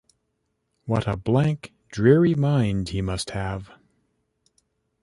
What a blank, dreary mind he must have!